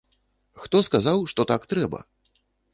Хто сказаў, што так трэба?